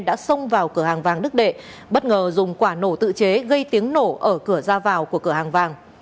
đã xông vào cửa hàng vàng đức đệ bất ngờ dùng quả nổ tự chế gây tiếng nổ ở cửa ra vào của cửa hàng vàng